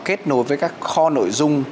kết nối với các kho nội dung